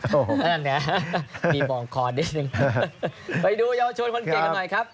ทันเนี่ยมีมองคอดิ้งไปดูเยาวชนคนเก่งหน่อยครับครับ